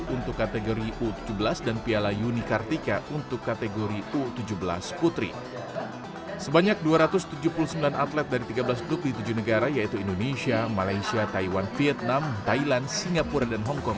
untuk di tujuh negara yaitu indonesia malaysia taiwan vietnam thailand singapura dan hongkong